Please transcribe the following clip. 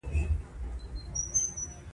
د ښو عملونو پایله تل ښکلې وي.